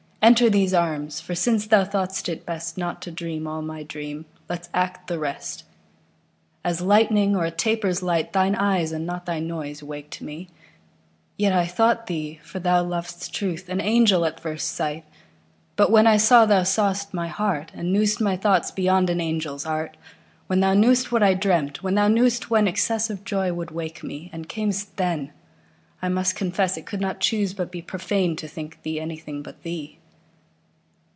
Enter these arms, for since thou thought'st it bestNot to dream all my dream, let's act the rest. As lightning, or a taper's light, Thine eyes, and not thy noise, waked me; Yet I thought thee—For thou lov'st truth—an angel at first sight; But when I saw thou saw'st my heart, And knew'st my thoughts beyond an angel's art, When thou knew'st what I dreamt, when thou knew'st whenExcess of joy would wake me, and cam'st then,I must confess it could not choose but beProfane to think thee anything but thee.